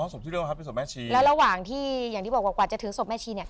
ศพที่เริ่มครับเป็นศพแม่ชีแล้วระหว่างที่อย่างที่บอกว่ากว่าจะถึงศพแม่ชีเนี่ย